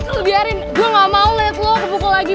kal biarin gue gak mau liat lo kebukul lagi